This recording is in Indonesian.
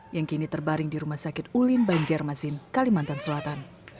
yang kini terbaring di rumah sakit ulin banjarmasin kalimantan selatan